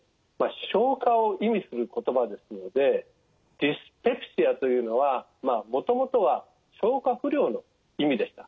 消化を意味する言葉ですので「ディスペプシア」というのはもともとは消化不良の意味でした。